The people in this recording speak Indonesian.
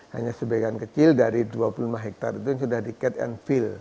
hanya sebagian kecil dari dua puluh lima hektare itu yang sudah di cat and fill